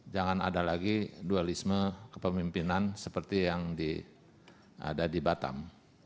jangan ada lagi dualisme kepemimpinan seperti yang ada di batam